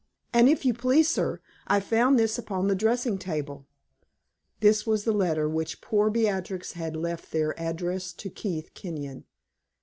And, if you please, sir, I found this upon the dressing table." This was the letter which poor Beatrix had left there addressed to Keith Kenyon.